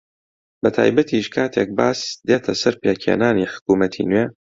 بەتایبەتیش کاتێک باس دێتە سەر پێکهێنانی حکوومەتی نوێ